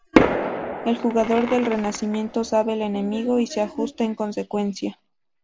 El jugador del Renacimiento sabe el enemigo y se ajusta en consecuencia.